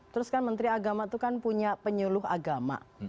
terus kan menteri agama itu kan punya penyuluh agama